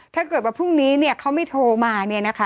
ถ้าเกิดว่าพรุ่งนี้เนี่ยเขาไม่โทรมาเนี่ยนะคะ